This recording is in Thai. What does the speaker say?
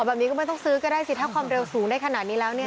แบบนี้ก็ไม่ต้องซื้อก็ได้สิถ้าความเร็วสูงได้ขนาดนี้แล้ว